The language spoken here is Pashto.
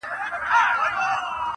نن جهاني په ستړو منډو رباتونه وهي،